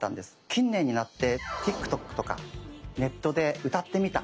近年になってＴｉｋＴｏｋとかネットで「歌ってみた」